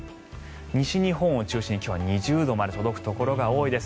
西日本を中心に今日は２０度まで届くところが多いです。